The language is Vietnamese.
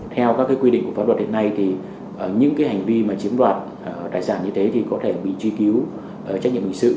theo các quy định của pháp luật hiện nay thì những hành vi mà chiếm đoạt tài sản như thế thì có thể bị truy cứu trách nhiệm hình sự